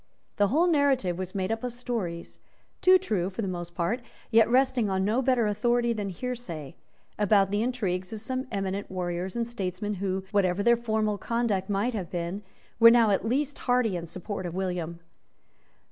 The whole narrative was made up of stories, too true for the most part, yet resting on no better authority than hearsay, about the intrigues of some eminent warriors and statesmen, who, whatever their former conduct might have been, were now at least hearty in support of William.